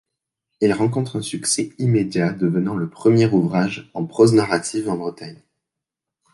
Il rencontre un succès immédiat, devenant le premier ouvrage en prose narrative en Bretagne.